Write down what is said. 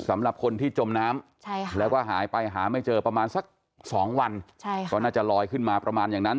สำหรับคนที่จมน้ำแล้วก็หายไปหาไม่เจอประมาณสัก๒วันก็น่าจะลอยขึ้นมาประมาณอย่างนั้น